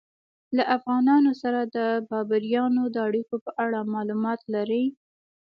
له افغانانو سره د بابریانو د اړیکو په اړه معلومات لرئ؟